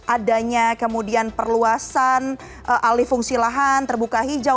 adanya kemudian perluasan alih fungsi lahan terbuka hijau